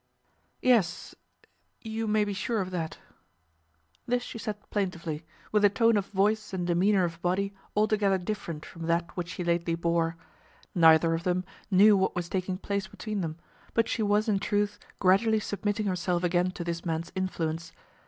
"Yes; you may be sure of that." This she said plaintively, with a tone of voice and demeanour of body altogether different from that which she lately bore. Neither of them knew what was taking place between them; but she was, in truth, gradually submitting herself again to this man's influence.